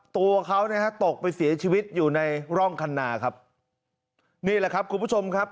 ตัวเขานะฮะตกไปเสียชีวิตอยู่ในร่องคันนาครับนี่แหละครับคุณผู้ชมครับ